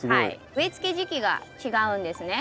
植えつけ時期が違うんですね。